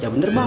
ya bener bang